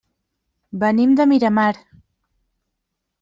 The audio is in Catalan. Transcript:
Venim de Miramar.